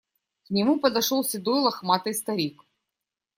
К нему подошел седой лохматый старик.